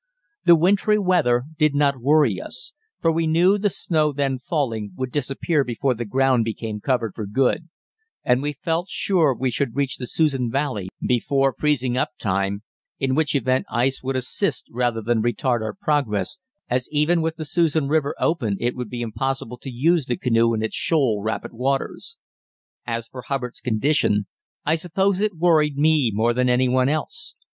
The wintry weather did not worry us; for we knew the snow then falling would disappear before the ground became covered for good, and we felt sure we should reach the Susan Valley before freezing up time, in which event ice would assist rather than retard our progress, as even with the Susan River open it would be impossible to use the canoe in its shoal, rapid waters. As for Hubbard's condition, I suppose it worried me more than anyone else.